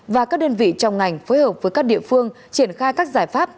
và các đơn vị trong ngành phối hợp với các địa phương triển khai các giải pháp